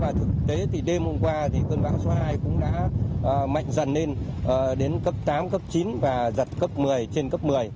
và thực tế thì đêm hôm qua thì cơn bão số hai cũng đã mạnh dần lên đến cấp tám cấp chín và giật cấp một mươi trên cấp một mươi